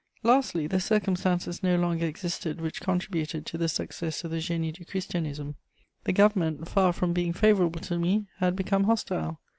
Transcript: Lastly, the circumstances no longer existed which contributed to the success of the Génie du Christianisme; the Government, far from being favourable to me, had become hostile.